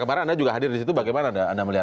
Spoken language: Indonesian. baru ada disitulah